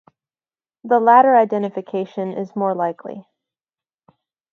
The latter identification is more likely.